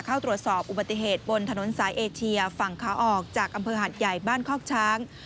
เข้าตรวจสอบอุบัติเหตุบนถนนสายเอเชียฝั่งขาออกจากอำเภอหัดใหญ่บ้านคอกช้าง